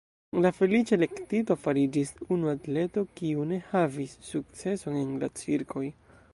La « feliĉa elektito » fariĝis unu atleto, kiu ne havis sukceson en la cirkoj.